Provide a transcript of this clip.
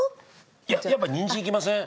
いややっぱニンジンいきません？